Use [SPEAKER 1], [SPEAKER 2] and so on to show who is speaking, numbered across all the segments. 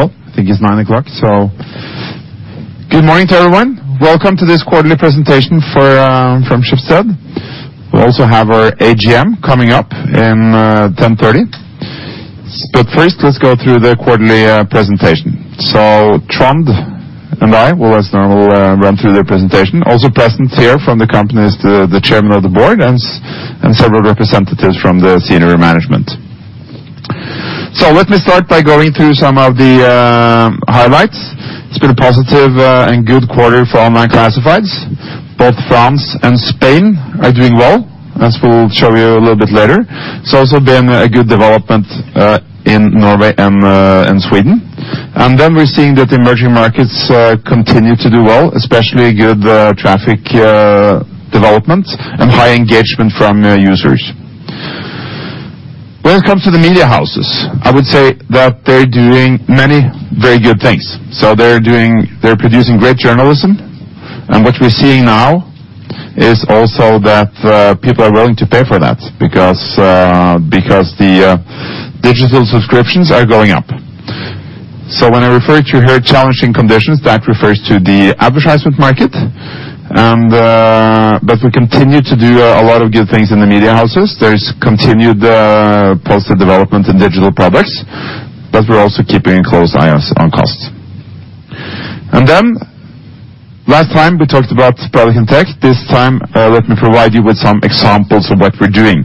[SPEAKER 1] Well, I think it's 9:00 A.M., good morning to everyone. Welcome to this quarterly presentation for from Schibsted. We also have our AGM coming up in 10:30 A.M. First, let's go through the quarterly presentation. Trond and I, we'll now run through the presentation. Also present here from the company is the chairman of the board and several representatives from the senior management. Let me start by going through some of the highlights. It's been a positive and good quarter for Online & Classifieds. Both France and Spain are doing well, as we'll show you a little bit later. It's also been a good development in Norway and Sweden. We're seeing that emerging markets continue to do well, especially good traffic development and high engagement from users. When it comes to the media houses, I would say that they're doing many very good things. They're producing great journalism, and what we're seeing now is also that people are willing to pay for that because the digital subscriptions are going up. When I refer to her challenging conditions, that refers to the advertisement market, and but we continue to do a lot of good things in the media houses. There's continued positive development in digital products, but we're also keeping a close eye on costs. Last time we talked about product and tech. This time, let me provide you with some examples of what we're doing.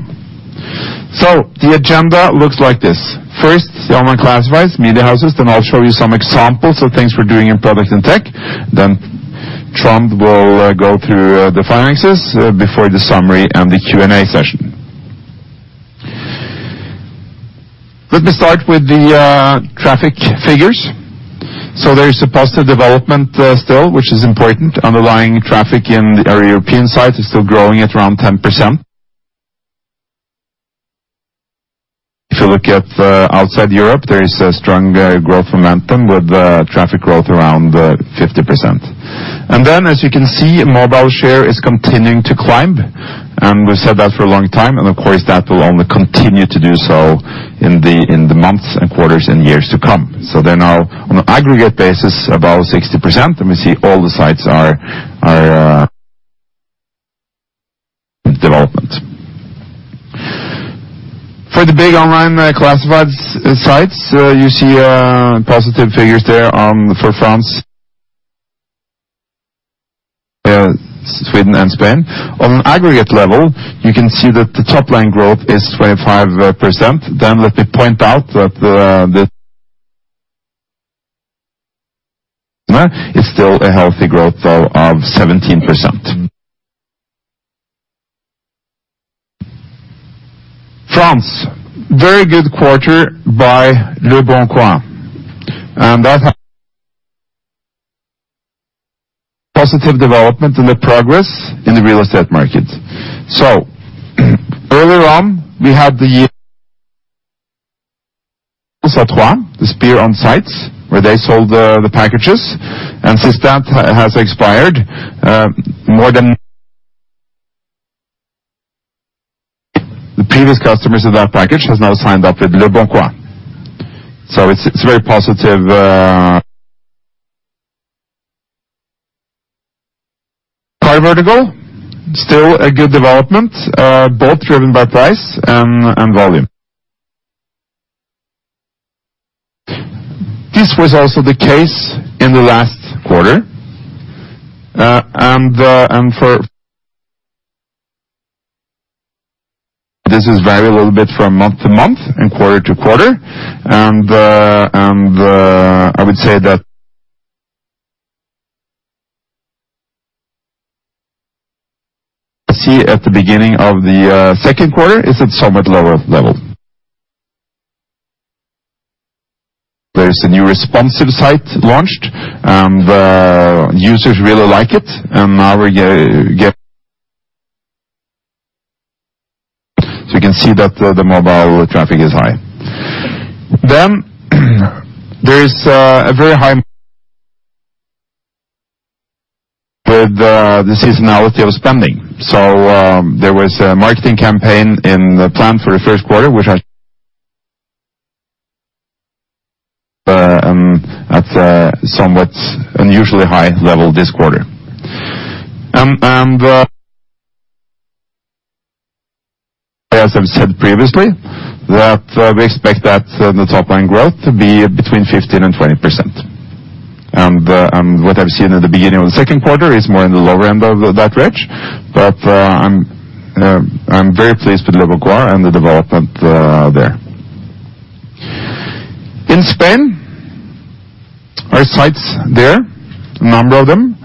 [SPEAKER 1] The agenda looks like this. First, the Online & Classifieds, Media houses, then I'll show you some examples of things we're doing in product and tech. Trond will go through the finances before the summary and the Q&A session. Let me start with the traffic figures. There is a positive development still, which is important. Underlying traffic in our European sites is still growing at around 10%. If you look at outside Europe, there is a strong growth momentum with traffic growth around 50%. As you can see, mobile share is continuing to climb and we've said that for a long time. Of course, that will only continue to do so in the months and quarters and years to come. They're now on an aggregate basis, about 60%. We see all the sites are development. For the big online classifieds sites, you see positive figures there for France, Sweden, and Spain. On an aggregate level, you can see that the top line growth is 25%. Let me point out that it's still a healthy growth though of 17%. France, very good quarter by Leboncoin. Positive development and the progress in the real estate market. Earlier on, we had Sezois, the spear on sites, where they sold the packages. Since that has expired, the previous customers of that package has now signed up with Leboncoin. It's very positive. Car vertical, still a good development, both driven by price and volume. This was also the case in the last quarter. This is vary a little bit from month to month and quarter to quarter. We see at the beginning of the second quarter is at somewhat lower level. There is a new responsive site launched, and users really like it. You can see that the mobile traffic is high. There is a very high seasonality of spending. There was a marketing campaign in the plan for the first quarter, and at a somewhat unusually high level this quarter. As I've said previously, that we expect that the top line growth to be between 15% and 20%. What I've seen in the beginning of the second quarter is more in the lower end of that range. I'm very pleased with Leboncoin and the development there. In Spain, our sites there, a number of them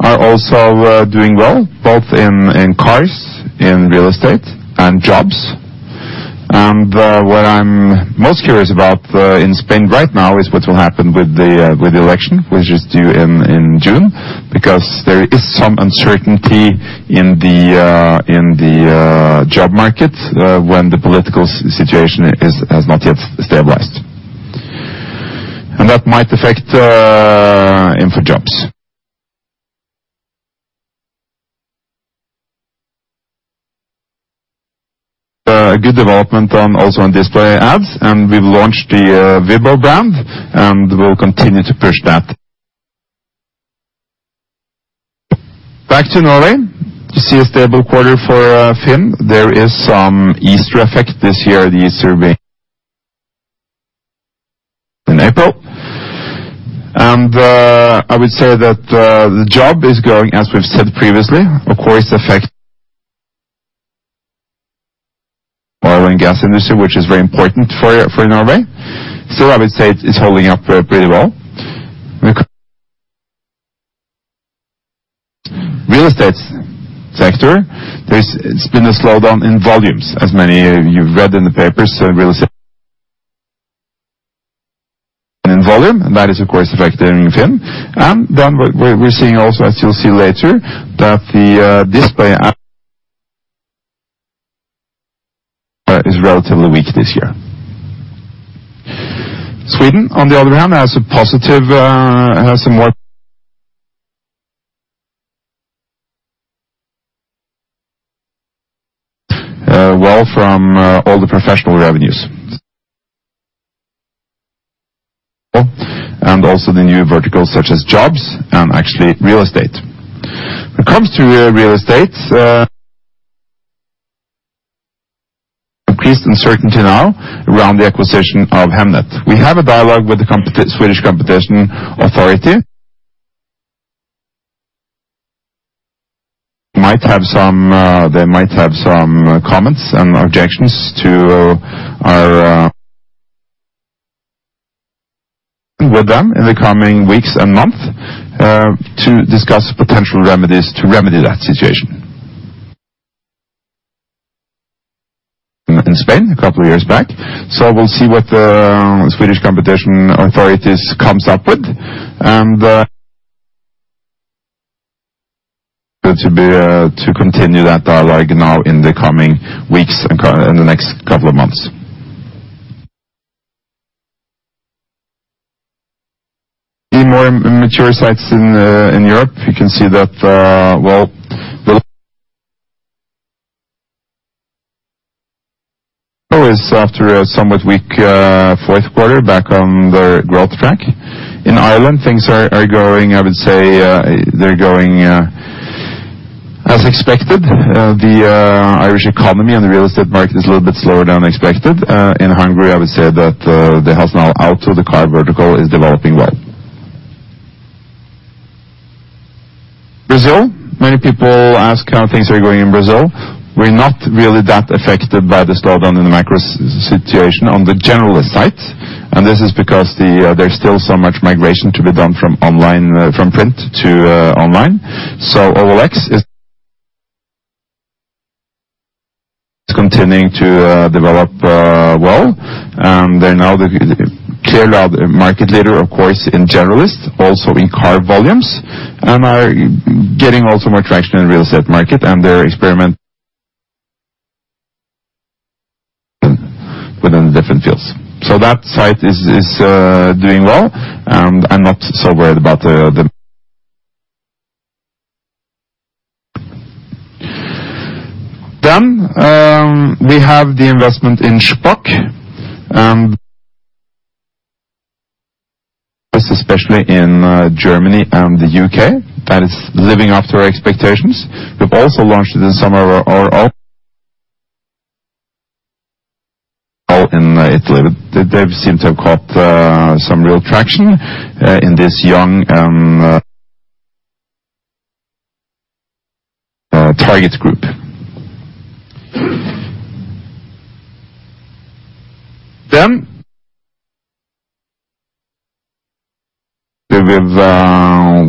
[SPEAKER 1] are also doing well, both in cars, in real estate, and jobs. What I'm most curious about in Spain right now is what will happen with the election, which is due in June. There is some uncertainty in the job market when the political situation has not yet stabilized. That might affect InfoJobs. A good development on, also on display ads, and we've launched the Vibbo brand, and we'll continue to push that. Back to Norway. You see a stable quarter for FINN. There is some Easter effect this year. The Easter being in April. I would say that the job is going as we've said previously. Of course, affect oil and gas industry, which is very important for Norway. I would say it's holding up pretty well. Real estate sector, it's been a slowdown in volumes, as many of you read in the papers. Real estate in volume, and that is of course affecting FINN. We're seeing also, as you'll see later, that the display ad is relatively weak this year. Sweden, on the other hand, has a positive, well from all the professional revenues. Also the new verticals such as jobs and actually real estate. When it comes to real estate, increased uncertainty now around the acquisition of Hemnet. We have a dialogue with the Swedish Competition Authority. Might have some, they might have some comments and objections to our, with them in the coming weeks and months, to discuss potential remedies to remedy that situation. In Spain a couple of years back. We'll see what the Swedish Competition Authorities comes up with and to be to continue that dialogue now in the coming weeks and in the next couple of months. Be more mature sites in Europe. You can see that, well, is after a somewhat weak fourth quarter back on their growth track. In Ireland, things are going, I would say, they're going as expected. The Irish economy and the real estate market is a little bit slower than expected. In Hungary, I would say that the house now out of the car vertical is developing well. Brazil, many people ask how things are going in Brazil. We're not really that affected by the slowdown in the macro situation on the generalist sites, and this is because the there's still so much migration to be done from online, from print to online. OLX is continuing to develop well, and they're now the clear market leader, of course, in generalist, also in car volumes, and are getting also more traction in real estate market and they're experiment within different fields. That site is doing well and I'm not so worried about the. We have the investment in Shpock and. This especially in Germany and the UK. That is living up to our expectations. We've also launched this summer our. In Italy. They've seemed to have caught some real traction in this young target group.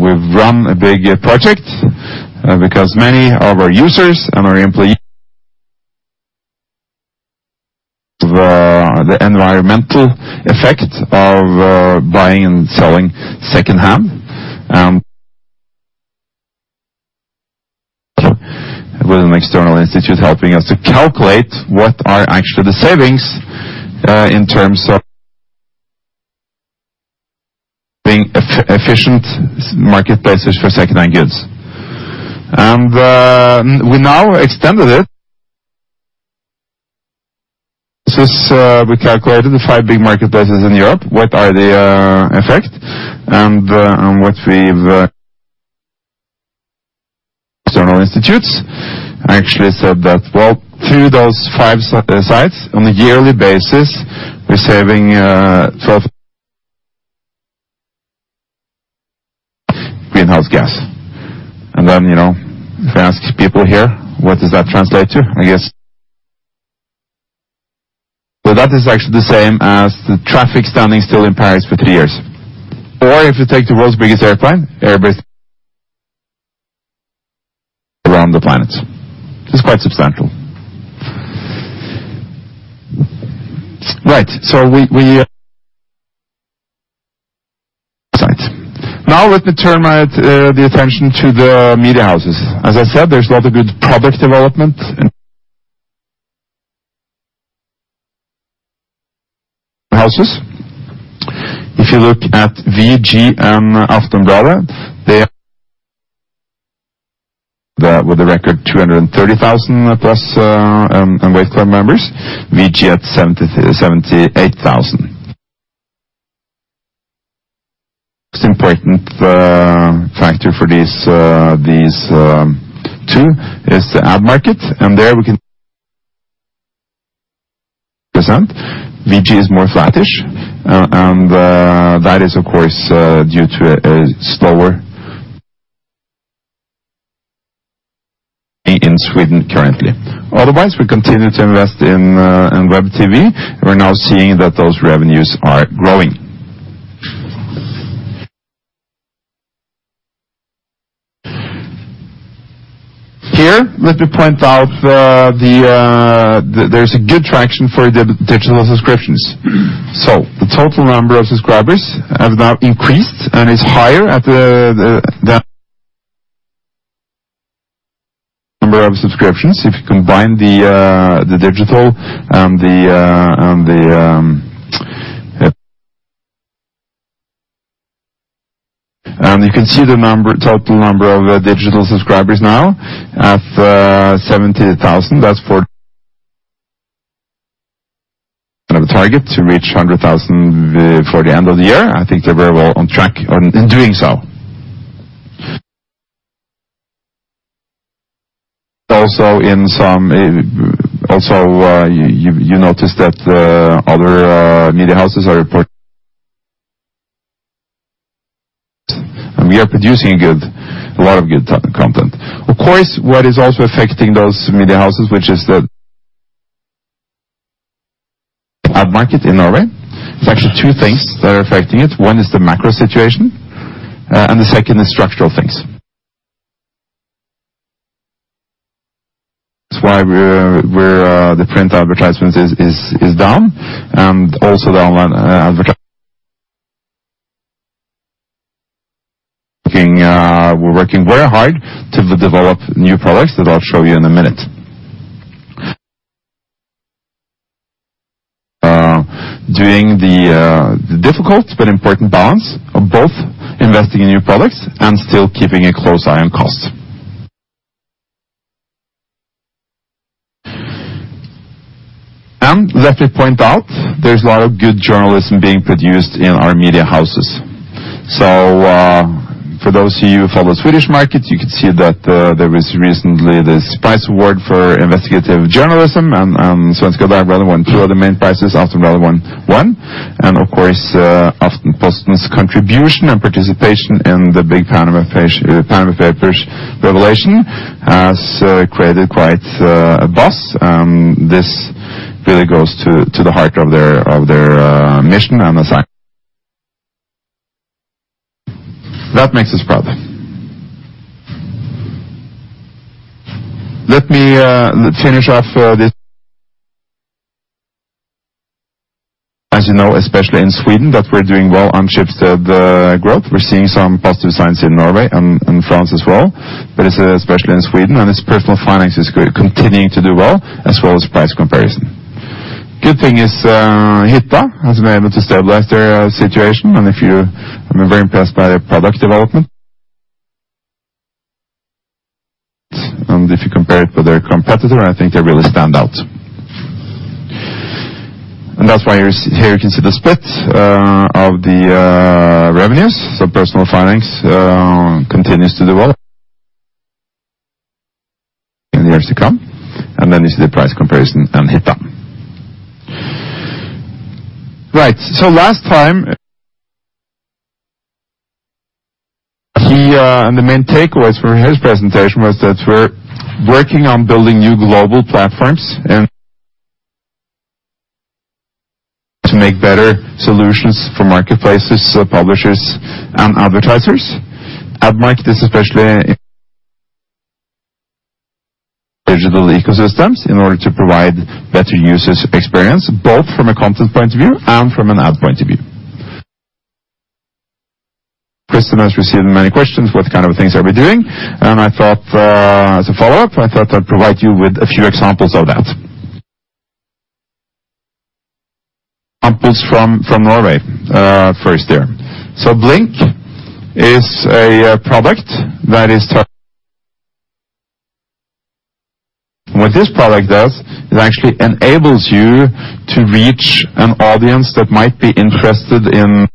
[SPEAKER 1] We've run a big project because many of our users and of the environmental effect of buying and selling second-hand with an external institute helping us to calculate what are actually the savings in terms of being efficient marketplaces for secondhand goods. We now extended it. This is, we calculated the five big marketplaces in Europe, what are the effect. External institutes actually said that, well, through those five sites on a yearly basis, we're saving 12 greenhouse gas. You know, if I ask people here, what does that translate to? I guess... That is actually the same as the traffic standing still in Paris for three years. If you take the world's biggest airplane, Airbus. Around the planet. It's quite substantial. Right. Now we can turn our the attention to the media houses. As I said, there's a lot of good product development. If you look at VG and Aftonbladet, they are with a record 230,000 plus wait club members, VG at 78,000. Most important factor for these two is the ad market. VG is more flattish and that is of course due to slower in Sweden currently. Otherwise, we continue to invest in in web TV. We're now seeing that those revenues are growing. Here, let me point out there's a good traction for digital subscriptions. The total number of subscribers has now increased and is higher at the number of subscriptions. If you combine the digital and the, you can see the total number of digital subscribers now at 70,000. The target to reach 100,000 for the end of the year. I think they're very well on track in doing so. Also in some, also, you notice that other media houses are. We are producing a good, a lot of good co-content. Of course, what is also affecting those media houses, which is the Ad market in Norway. It's actually two things that are affecting it. One is the macro situation, and the second is structural things. That's why we're the print advertisements is down. Also the online. Working, we're working very hard to de-develop new products that I'll show you in a minute. Doing the difficult but important balance of both investing in new products and still keeping a close eye on costs. Let me point out, there's a lot of good journalism being produced in our media houses. For those of you who follow the Swedish market, you could see that there was recently this price award for investigative journalism and Svenska Dagbladet won 2 of the main prices. Aftonbladet won 1. Of course, Aftenposten's contribution and participation in the big Panama Papers revelation has created quite a buzz. This really goes to the heart of their mission. That makes us proud. Let me finish off this. As you know, especially in Sweden, that we're doing well on Schibsted growth. We're seeing some positive signs in Norway and France as well. It's especially in Sweden, and its personal finance is continuing to do well, as well as price comparison. Good thing is, hitta.se has been able to stabilize their situation, and I'm very impressed by their product development. If you compare it with their competitor, I think they really stand out. That's why here you can see the split of the revenues. Personal finance continues to do well in the years to come. This is the price comparison on hitta.se. Right. Last time. He, the main takeaways from his presentation was that we're working on building new global platforms to make better solutions for marketplaces, publishers and advertisers. Admarket, this especially digital ecosystems in order to provide better users experience, both from a content point of view and from an ad point of view. Christian has received many questions. What kind of things are we doing? I thought, as a follow-up, I thought I'd provide you with a few examples of that. Examples from Norway, first there. Blink is a product. What this product does, it actually enables you to reach an audience that might be interested in.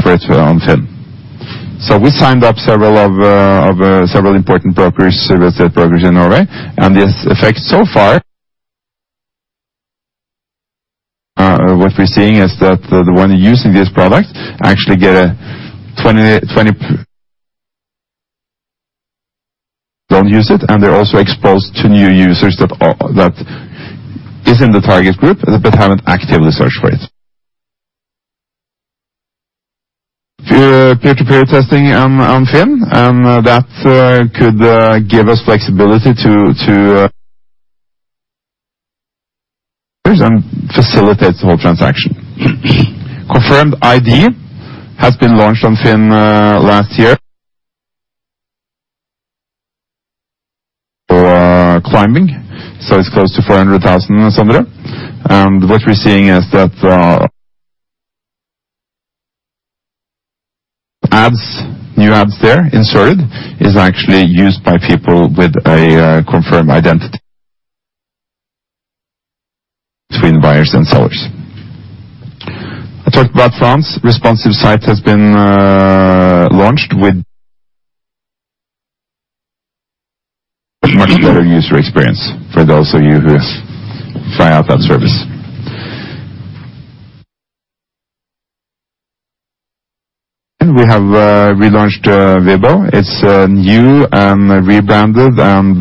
[SPEAKER 1] For it on FINN. We signed up several of, several important brokers, real estate brokers in Norway. This effect so far... What we're seeing is that the one using this product actually get a 20 p. Don't use it. They're also exposed to new users that is in the target group but haven't actively searched for it. Peer-to-peer testing on FINN, that could give us flexibility. Facilitates the whole transaction. Confirmed ID has been launched on FINN last year. Climbing. It's close to 400,000 somewhere. What we're seeing is that new ads there inserted is actually used by people with a confirmed identity. Between buyers and sellers. I talked about France. Responsive site has been launched with much better user experience for those of you who try out that service. We have relaunched Vibbo. It's new and rebranded. A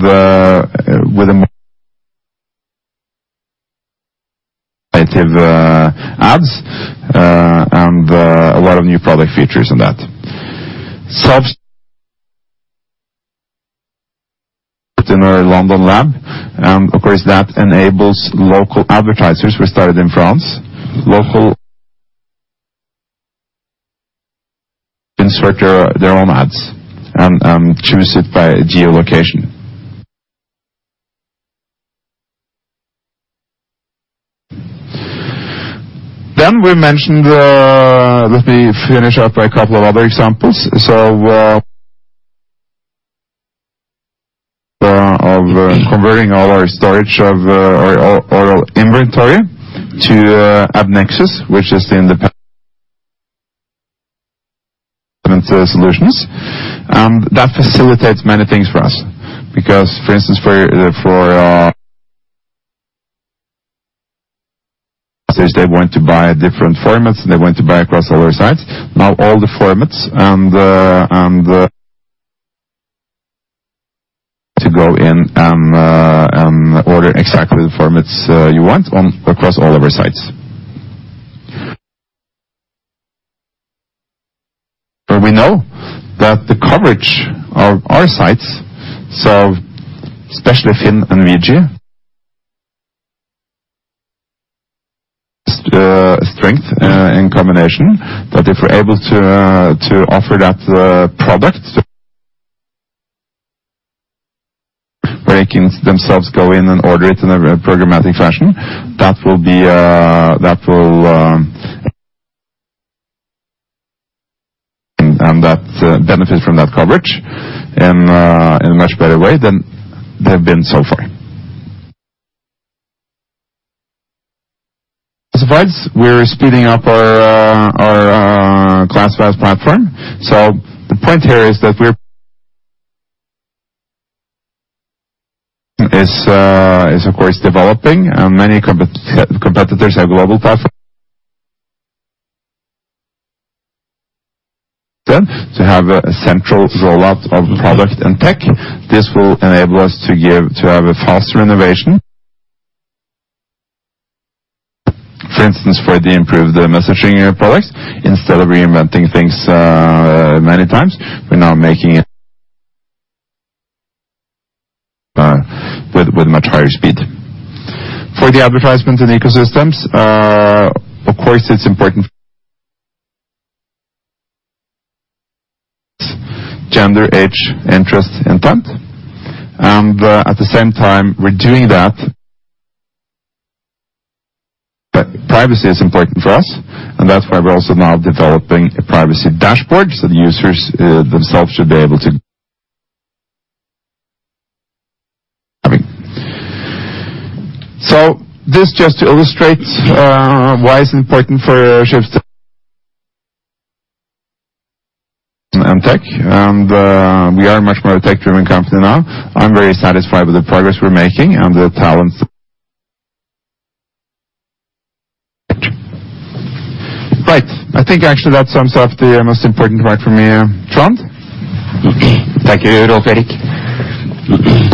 [SPEAKER 1] lot of new product features on that. In our London lab, and of course, that enables local advertisers. We started in France. Local insert their own ads and choose it by geolocation. Let me finish up a couple of other examples. Of converting all our storage of our inventory to AppNexus, which is in the solutions. That facilitates many things for us because for instance, for our. They want to buy different formats, and they want to buy across all our sites. All the formats and the. To go in and order exactly the formats you want on across all of our sites. Where we know that the coverage of our sites, so especially FINN and VG. Strength in combination, that if we're able to offer that product, where they can themselves go in and order it in a programmatic fashion. That will be, that will. That benefit from that coverage in a much better way than they've been so far. As it was, we're speeding up our classifieds platform. The point here is that we're. Is of course developing many competitors have global platform. To have a central rollout of product and tech. This will enable us to have a faster innovation. For instance, for the improved messaging products, instead of reinventing things many times, we're now making it with much higher speed. For the advertisement and ecosystems, of course, it's important: gender, age, interest, intent, and at the same time we're doing that. Privacy is important for us, and that's why we're also now developing a privacy dashboard, so the users themselves should be able to... This just to illustrate why it's important for Shipt... Tech, and, we are much more a tech driven company now. I'm very satisfied with the progress we're making and the talent. Right. I think actually that sums up the most important part for me, Trond.
[SPEAKER 2] Thank you, Rolv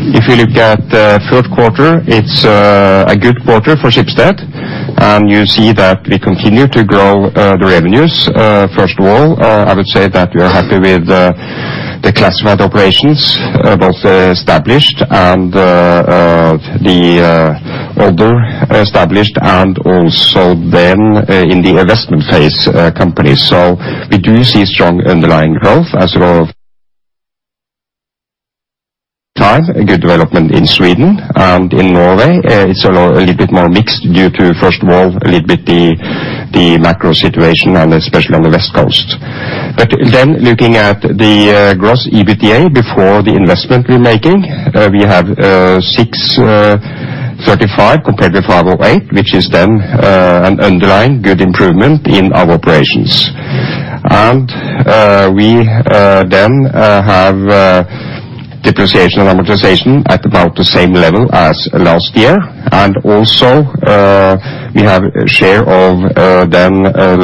[SPEAKER 2] Erik. If you look at the third quarter, it's a good quarter for Schibsted. You see that we continue to grow the revenues. First of all, I would say that we are happy with the classified operations, both established and the older established and also in the investment phase companies. We do see strong underlying growth as well. A good development in Sweden and in Norway, it's a little bit more mixed due to, first of all, a little bit the macro situation and especially on the West Coast. Looking at the gross EBITDA before the investment we're making, we have NOK 635 compared with NOK 508, which is an underlying good improvement in our operations. We then have depreciation and amortization at about the same level as last year. We have share of then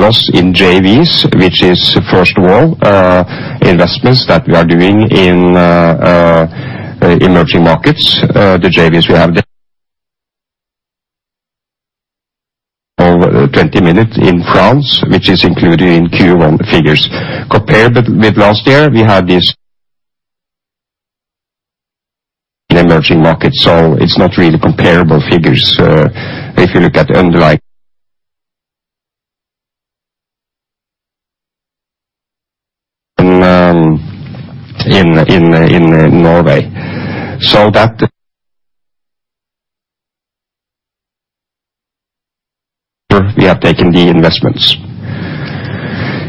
[SPEAKER 2] loss in JVs, which is, first of all, investments that we are doing in emerging markets. The JVs we have there. Of 20 minutes in France, which is included in Q1 figures. Compared with last year, we had this in emerging markets, so it's not really comparable figures. If you look at underlying in Norway. We have taken the investments.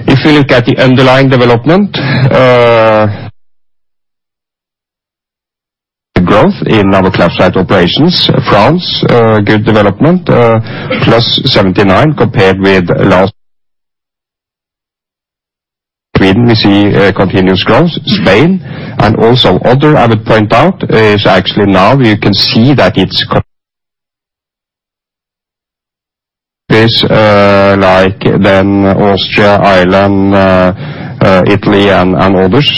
[SPEAKER 2] If you look at the underlying development, growth in our classified operations, France, good development, +79 compared with. We see a continuous growth. Spain and also other I would point out is actually now you can see that it's This, like then Austria, Ireland, Italy and others.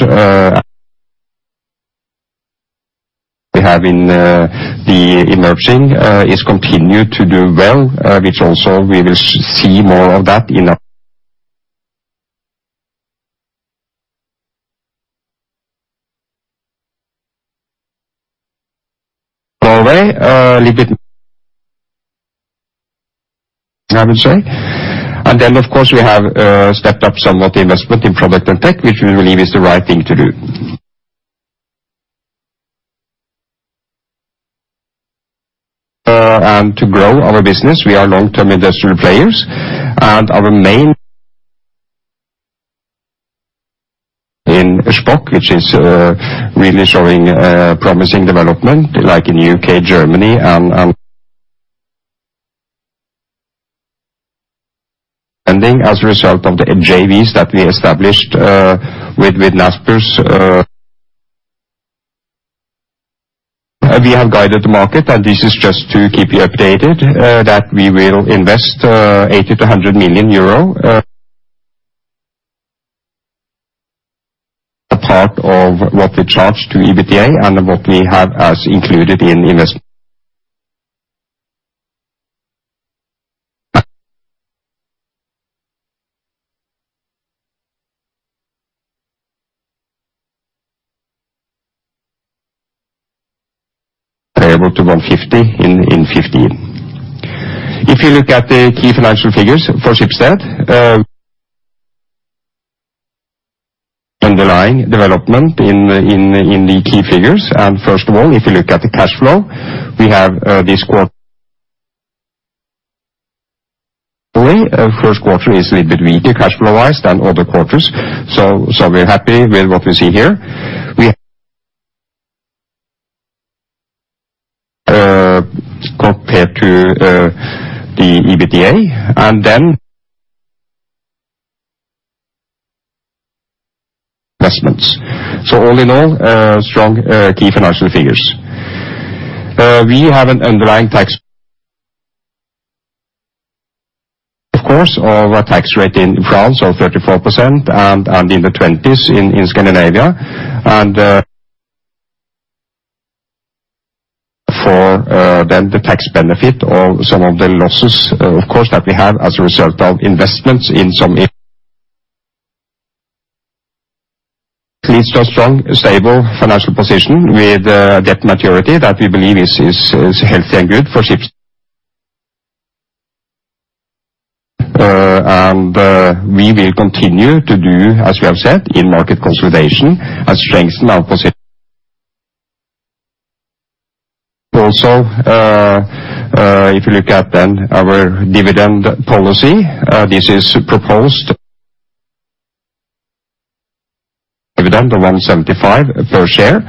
[SPEAKER 2] We have in the emerging is continued to do well, which also we will see more of that in Norway, a little bit I would say. Then of course, we have stepped up somewhat investment in product and tech, which we believe is the right thing to do. To grow our business. We are long-term industrial players. In Shpock, which is really showing promising development like in U.K., Germany, and ending as a result of the JVs that we established with Naspers. We have guided the market, this is just to keep you updated, that we will invest EUR 80 million-100 million. A part of what we charge to EBITDA and what we have as included in Variable to 150 in 50. If you look at the key financial figures for Schibsted. Underlying development in the key figures. First of all, if you look at the cash flow, we have First quarter is a little bit weaker cash flow-wise than other quarters. We're happy with what we see here. Compared to the EBITDA. Investments. All in all, strong key financial figures. Of course, our tax rate in France of 34% and in the 20s in Scandinavia. For the tax benefit of some of the losses, of course, that we have as a result of investments leads to a strong, stable financial position with debt maturity that we believe is healthy and good for Schibsted. We will continue to do, as we have said, in market consolidation and strengthen our position. If you look at our dividend policy, this is proposed. Dividend of 1.75 per share,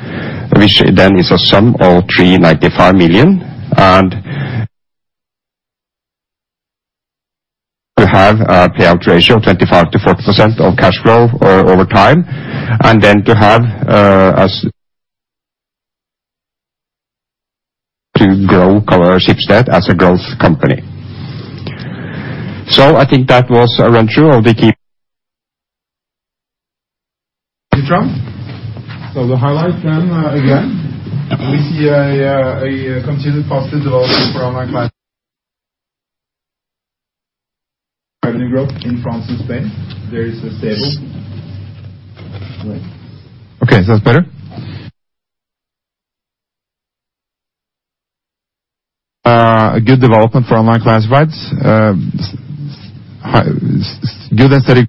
[SPEAKER 2] which is a sum of 395 million. To have a payout ratio of 25%-40% of cash flow over time. To grow our Schibsted as a growth company. I think that was a run through of the key. The highlights, again. We see a continued positive development for online revenue growth in France and Spain. There is a stable... Okay. Is that better? Good development for online classifieds. Good and steady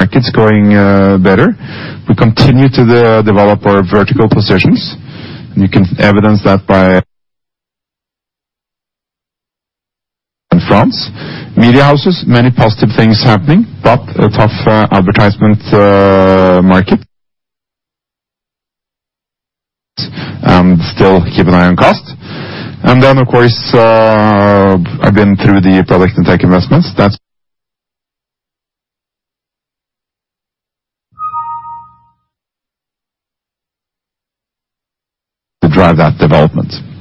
[SPEAKER 2] markets growing better. We continue to develop our vertical positions, You can evidence that by In France. Media houses, many positive things happening, but a tough advertisement market. Still keep an eye on cost. Of course, I've been through the product and tech investments. That's to drive that development.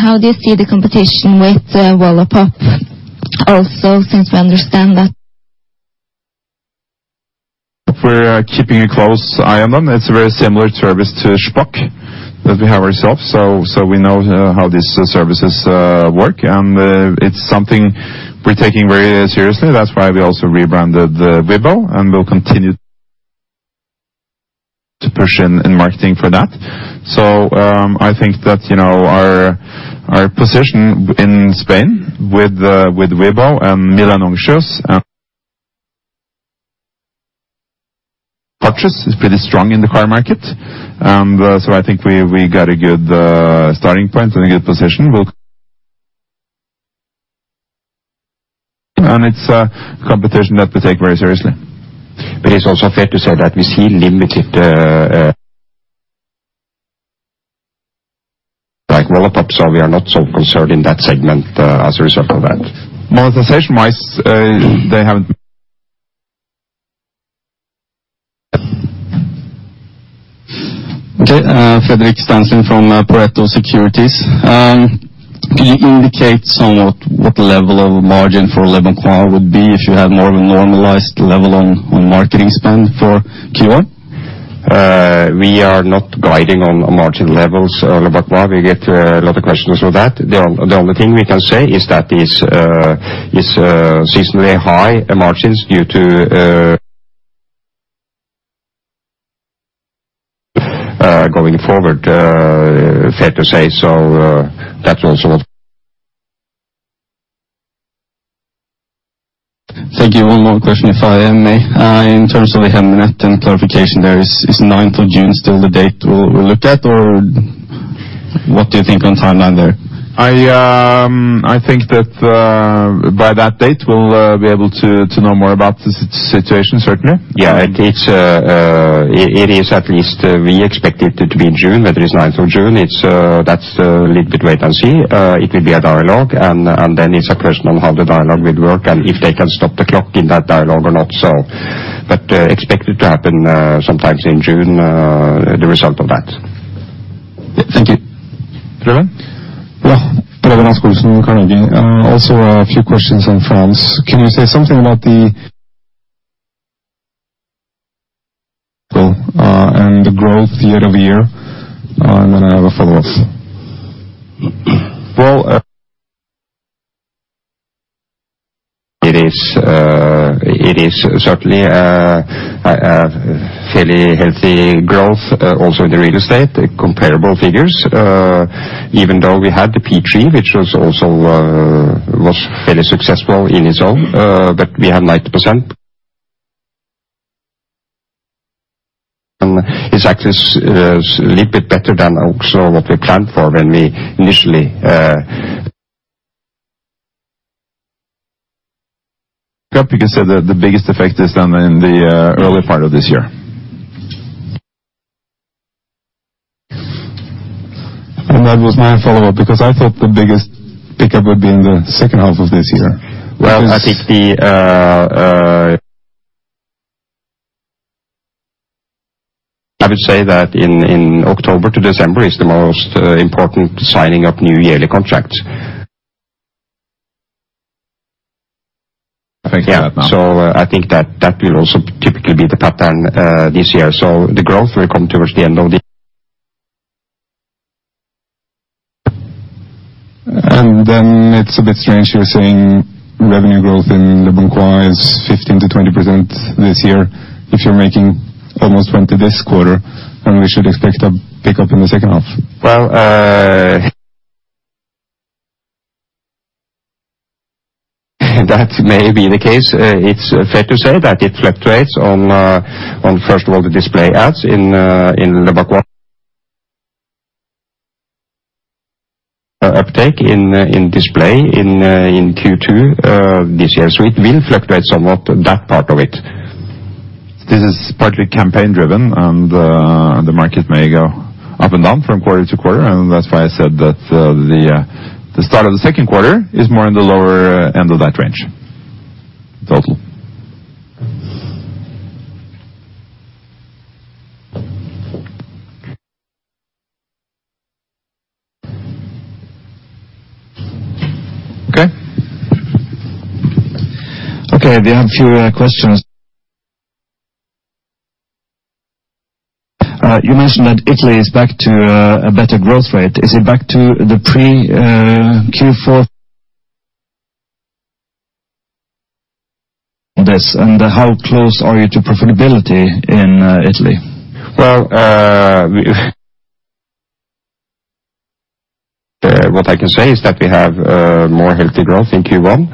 [SPEAKER 3] How do you see the competition with Wallapop also, since we understand that
[SPEAKER 2] we're keeping a close eye on them. It's a very similar service to Shpock that we have ourselves, so we know how these services work, and it's something we're taking very seriously. That's why we also rebranded the Vibbo, and we'll continue to push in marketing for that. I think that, you know, our position in Spain with Vibbo and Milanuncios purchase is pretty strong in the car market, so I think we got a good starting point and a good position. It's a competition that we take very seriously.
[SPEAKER 1] It's also fair to say that we see limited, like Wallapop, so we are not so concerned in that segment as a result of that. Monetization-wise, they.
[SPEAKER 4] Fredrik Steinsland from Pareto Securities. Can you indicate somewhat what the level of margin for Leboncoin would be if you had more of a normalized level on marketing spend for Q1?
[SPEAKER 2] We are not guiding on margin levels of Leboncoin. We get a lot of questions on that. The only thing we can say is that is seasonally high margins due to. Going forward, fair to say so, that's also what.
[SPEAKER 4] Thank you. One more question, if I may. In terms of the Hemnet and clarification there, is ninth of June still the date we'll look at? Or what do you think on timeline there?
[SPEAKER 1] I think that by that date, we'll be able to know more about the situation, certainly.
[SPEAKER 2] Yeah. It's, it is at least, we expect it to be June, whether it's 9th of June. It's, that's a little bit wait and see. It will be a dialogue and then it's a question on how the dialogue will work and if they can stop the clock in that dialogue or not. Expect it to happen, sometimes in June, the result of that.
[SPEAKER 4] Thank you.
[SPEAKER 1] Frederic?
[SPEAKER 5] Yeah. Frederic Langsosen, Carnegie. Also a few questions on France. Can you say something about the... and the growth year-over-year? I have a follow-up.
[SPEAKER 2] Well. It is certainly a fairly healthy growth also in the real estate, comparable figures, even though we had the P3, which was also was fairly successful in its own. We had 90%. It's actually little bit better than also what we planned for when we initially. You can say the biggest effect is done in the early part of this year.
[SPEAKER 5] That was my follow-up, because I thought the biggest pickup would be in the second half of this year.
[SPEAKER 2] Well, I would say that in October to December is the most important signing of new yearly contracts.
[SPEAKER 5] Thank you for that.
[SPEAKER 2] Yeah. I think that that will also typically be the pattern, this year. The growth will come towards the end of the.
[SPEAKER 5] It's a bit strange you're saying revenue growth in Leboncoin is 15%-20% this year if you're making almost 20% this quarter, and we should expect a pickup in the second half.
[SPEAKER 2] Well, that may be the case. It's fair to say that it fluctuates on first of all the display ads in Leboncoin uptake in display in Q2 this year. It will fluctuate somewhat that part of it. This is partly campaign driven and the market may go up and down from quarter to quarter, and that's why I said that the start of the second quarter is more in the lower end of that range. Total.
[SPEAKER 1] Okay. Okay. We have a few other questions. You mentioned that Italy is back to a better growth rate. Is it back to the pre Q4, and how close are you to profitability in Italy?
[SPEAKER 2] Well, what I can say is that we have more healthy growth in Q1.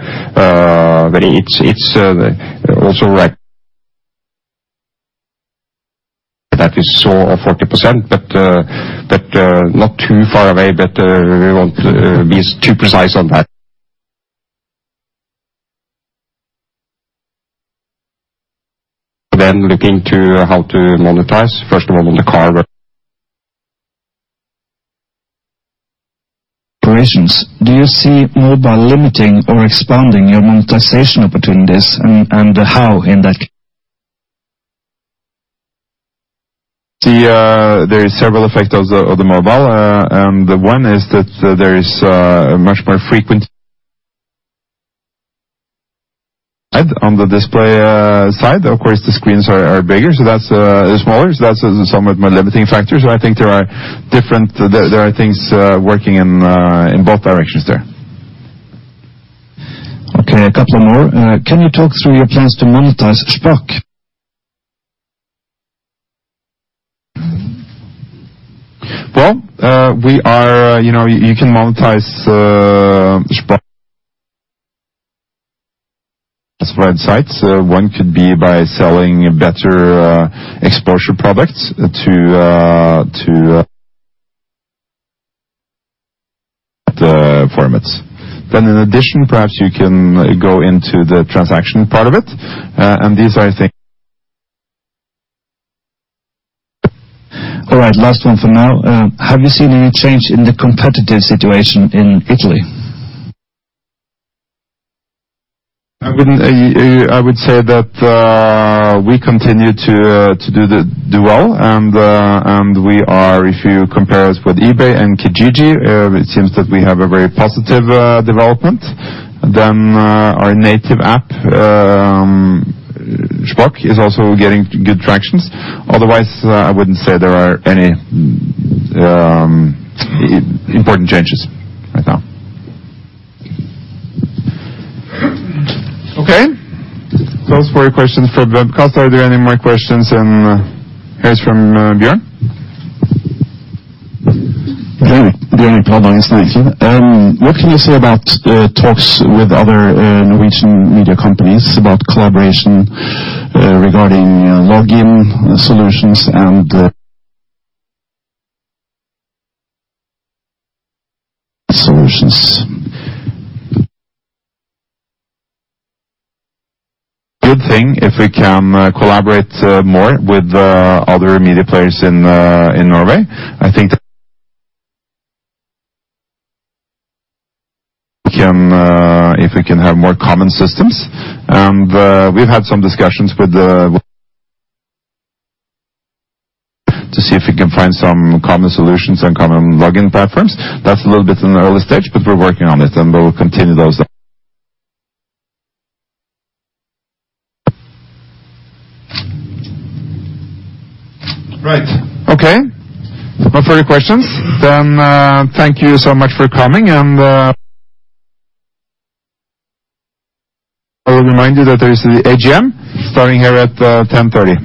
[SPEAKER 2] It's also that we saw of 40%, but not too far away, but we won't be too precise on that. Looking to how to monetize, first of all on the car.
[SPEAKER 1] Operations. Do you see mobile limiting or expanding your monetization opportunities and how in that. The there is several effect of the mobile. The one is that there is much more frequent... On the display side, of course, the screens are bigger, so that's smaller. That's a somewhat more limiting factor. I think there are things working in both directions there. Okay, a couple more. Can you talk through your plans to monetize Shpock? Well, we are, you know, you can monetize Shpock... classified sites. One could be by selling better exposure products to the formats. In addition, perhaps you can go into the transaction part of it. These are, I think-. All right, last one for now. Have you seen any change in the competitive situation in Italy? I would say that we continue to do well. We are, if you compare us with eBay and Kijiji, it seems that we have a very positive development. Our native app, Shpock, is also getting good tractions. I wouldn't say there are any important changes right now. Okay. Those were questions from Webcast. Are there any more questions here's from Bjorn?
[SPEAKER 6] Hey, Bjorn from Dagens Næringsliv. What can you say about talks with other Norwegian media companies about collaboration regarding login solutions and?
[SPEAKER 1] Solutions. Good thing if we can collaborate more with other media players in Norway. I think we can have more common systems. We've had some discussions to see if we can find some common solutions and common login platforms. That's a little bit in the early stage, but we're working on it, and we'll continue those. Right. Okay. No further questions. Thank you so much for coming. I will remind you that there is the AGM starting here at 10:30 A.M.